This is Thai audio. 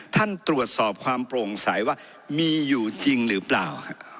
ท่านตรวจสอบความโปร่งใสว่ามีอยู่จริงหรือเปล่า